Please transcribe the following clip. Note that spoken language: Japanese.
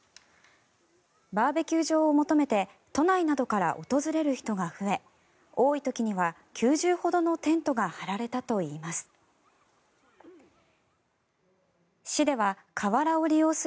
バーベキュー場を求めて都内などから訪れる人が増え多い時には９０ほどのテントが張られたといいます。